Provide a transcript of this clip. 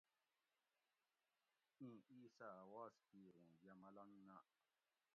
اِیں اِیس اۤ اواز کِیر اُوں یہ ملنگ نہ